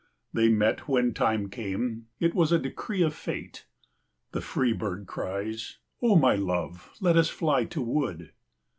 They met when the time came, it was a decree of fate. The free bird cries, "O my love, let us fly to wood."